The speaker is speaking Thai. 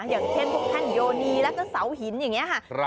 อย่างเช่นพวกแท่นโยนีแล้วก็เสาหินอย่างนี้ค่ะ